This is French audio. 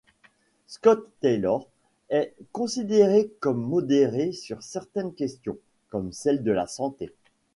Scott Taylor est considéré comme modéré sur certaines questions, comme celle de la santé.